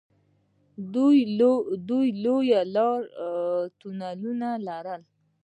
دوی لویې لارې او تونلونه لري.